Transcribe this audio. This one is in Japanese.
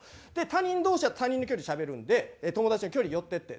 他人同士だと他人の距離でしゃべるんで友達の距離寄ってって。